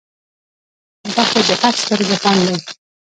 دښته د هر سترګو خوند دی.